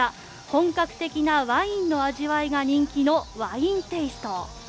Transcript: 本格的なワインの味わいが人気のワインテイスト。